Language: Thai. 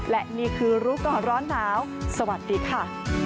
และนี่คือรู้ก่อนร้อนหนาวสวัสดีค่ะ